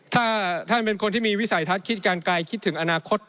ถ้าท่านเป็นคนที่มีวิสัยทัศน์คิดการไกลคิดถึงอนาคต